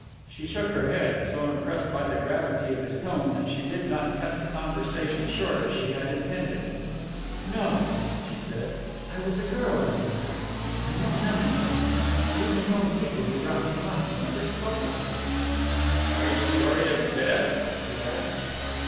She shook her head, so impressed by the gravity of his tone that she did not cut the conversation short as she had intended. "No," she said, "I was a girl when he died. I know nothing of him. Even his own people who brought him up never spoke of him." "Are you sure he is dead?" he asked.